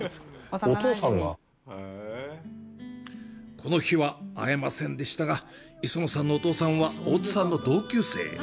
この日は会えませんでしたが、磯野さんのお父さんは大津さんの同級生。